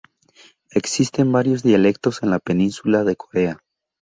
Existen varios dialectos en la península de Corea.